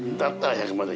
１００まで？